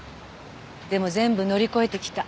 でも全部乗り越えてきた。